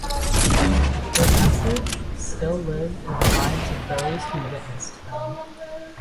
Their message still lived in the minds of those who witnessed them.